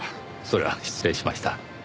それは失礼しました。